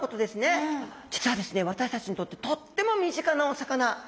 私たちにとってとっても身近なお魚。